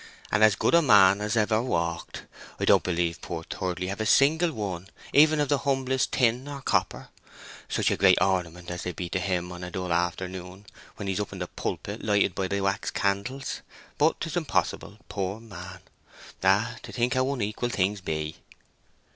"And as good a man as ever walked. I don't believe poor Thirdly have a single one, even of humblest tin or copper. Such a great ornament as they'd be to him on a dull afternoon, when he's up in the pulpit lighted by the wax candles! But 'tis impossible, poor man. Ah, to think how unequal things be."